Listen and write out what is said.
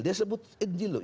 dia sebut injil loh